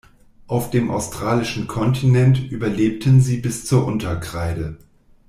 Auf dem australischen Kontinent überlebten sie bis zur Unterkreide.